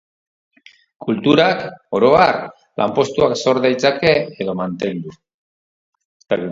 Kulturak, oro har, lanpostuak sor ditzake edo mantendu.